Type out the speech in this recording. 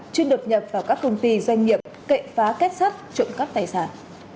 chuyên đột nhập vào các công ty doanh nghiệp cậy phá kết sắt trộm cắp tài sản